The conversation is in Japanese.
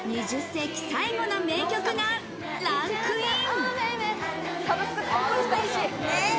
世紀最後の名曲がランクイン。